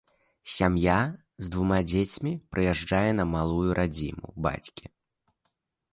Сям'я з двума дзецьмі прыязджае на малую радзіму бацькі.